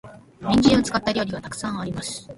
人参を使った料理は沢山あります。